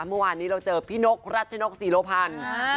เมื่อวานนี้เราเจอพี่นกรัชนกศรีโรพันธ์